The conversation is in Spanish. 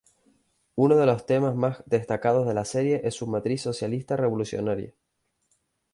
Uno de los temas más destacados de la serie es su matiz socialista revolucionaria.